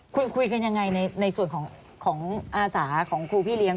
คุยกันยังไงในส่วนของอาสาของครูพี่เลี้ยง